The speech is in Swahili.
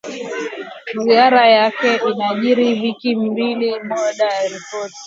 Ziara yake inajiri wiki mbili baada ya ripoti